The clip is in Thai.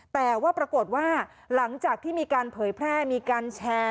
แต่ว่าปรากฏว่าหลังจากที่มีการเผยแพร่มีการแชร์